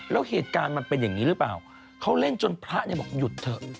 แล้วเหตุการณ์มันเป็นอย่างนี้หรือเปล่าเขาเล่นจนพระเนี่ยบอกหยุดเถอะ